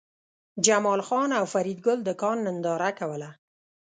جمال خان او فریدګل د کان ننداره کوله